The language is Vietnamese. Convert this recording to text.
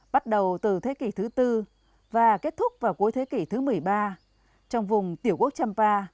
bắt đầu từ thế kỷ thứ tư và kết thúc vào cuối thế kỷ thứ một mươi ba trong vùng tiểu quốc champa